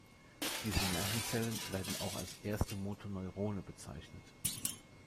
Diese Nervenzellen werden auch als erste Motoneurone bezeichnet.